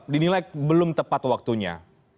dinilai belum tepat waktunya